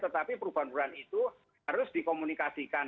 tetapi perubahan perubahan itu harus dikomunikasikan